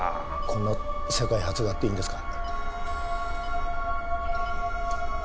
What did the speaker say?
こんな世界初があっていいんですか？